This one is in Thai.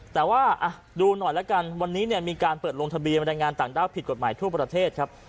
แต่ว่าดูหน่อยแล้วกันวันนี้เนี่ยมีการเปิดลงทะเบียนบรรยายงานต่างด้าวผิดกฎหมายทั่วประเทศครับ